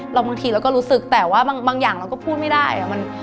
บางทีเราก็รู้สึกแต่ว่าบางอย่างเราก็พูดไม่ได้